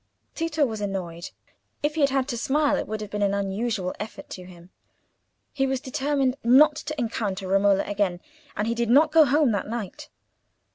Tito was annoyed. If he had had to smile it would have been an unusual effort to him. He was determined not to encounter Romola again, and he did not go home that night.